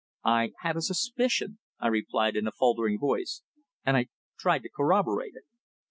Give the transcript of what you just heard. "I had a suspicion," I replied in a faltering voice, "and I tried to corroborate it."